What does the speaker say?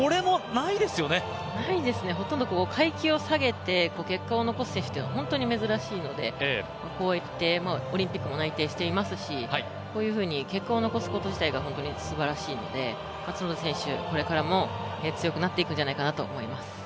ないですよね、階級を下げて結果を残すって本当にないですのでこうやってオリンピックも内定していますしこういうふうに結果を残すこと自体が本当にすばらしいので、角田選手、これからも強くなっていくんじゃないかなと思います。